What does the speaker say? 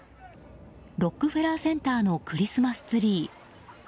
ロックフェラーセンターのクリスマスツリー。